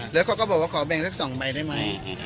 หรือเขาก็บอกว่าขอแบงก์ทั้งสองใบได้มั้ย